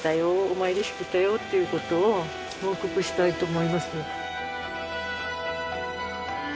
お参りしてきたよということを報告したいと思います。